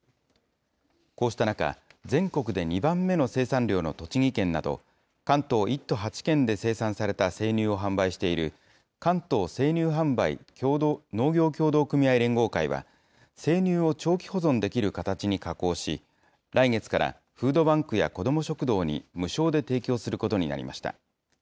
こうした中、全国で２番目の生産量の栃木県など、関東１都８県で生産された生乳を販売している、関東生乳販売農業協同組合連合会は、生乳を長期保存できる形に加工し、来月からフードバンクや子ども食堂に無償で提供することになりました。